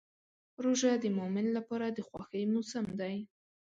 روژه د مؤمن لپاره د خوښۍ موسم دی.